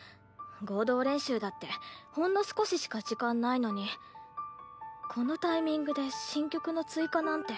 合同練習だってほんの少ししか時間ないのにこのタイミングで新曲の追加なんて。